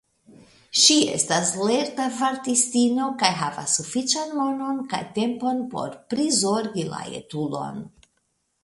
Ŝi estas lerta vartistino kaj havas sufiĉan monon kaj tempon por prizorgi la etulon.